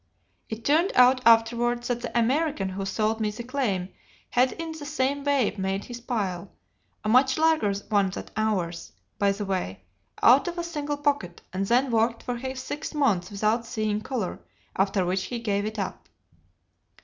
It turned out afterwards that the American who sold me the claim had in the same way made his pile a much larger one than ours, by the way out of a single pocket, and then worked for six months without seeing colour, after which he gave it up.